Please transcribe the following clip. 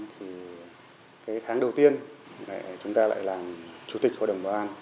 thì cái tháng đầu tiên chúng ta lại làm chủ tịch hội đồng bảo an